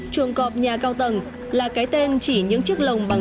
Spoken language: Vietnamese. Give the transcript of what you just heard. trường cọp nhà cao tầng là cái tên chỉ những chiếc lồng bằng khung